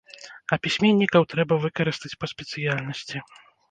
А пісьменнікаў трэба выкарыстаць па спецыяльнасці.